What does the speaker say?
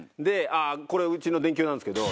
これうちの電球なんですけど。